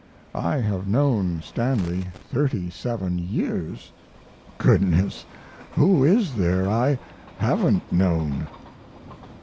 I have known Stanley 37 years. Goodness, who is there I haven't known?